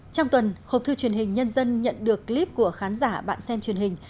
trong tuần hộp thư truyền hình nhân dân nhận được clip của khán giả bạn xem truyền hình